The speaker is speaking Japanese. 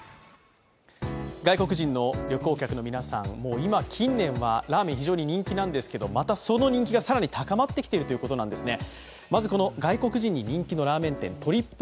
外国人の旅行客の皆さん、近年はラーメン非常に人気なんですがまたその人気が更に高まってきているということなんですね。